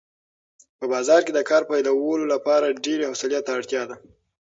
په بازار کې د کار پیلولو لپاره ډېرې حوصلې ته اړتیا ده.